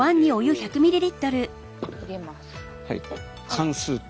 缶スープ。